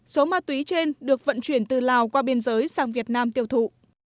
số ma túy trên được vận chuyển từ lào qua biên giới sang việt nam tiêu thụ